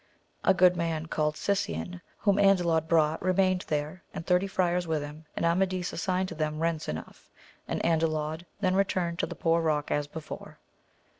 A good man called Sisian, whom AndSjod brought, remained there, and thirty friars with him, and Amadis assigned to them rents enough, and Andalod then returned to the Poor Eock as before.